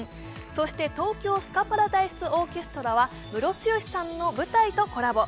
そして東京スカパラダイスオーケストラはムロツヨシさんの舞台とコラボ。